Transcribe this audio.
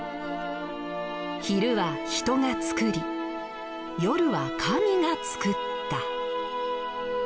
「昼は人がつくり夜は神がつくった」。